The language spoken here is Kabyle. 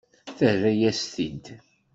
Terra-yas-t-id.